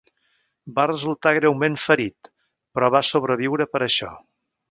Va resultar greument ferit, però va sobreviure per això.